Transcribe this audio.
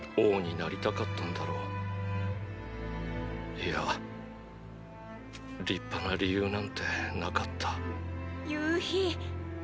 いや立派な理由なんてなかった・夕陽！